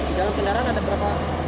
di dalam kendaraan ada berapa